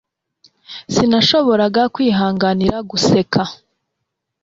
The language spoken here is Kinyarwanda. sinashoboraga kwihanganira guseka